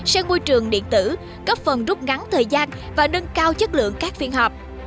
sang môi trường điện tử góp phần rút ngắn thời gian và nâng cao chất lượng các phiên họp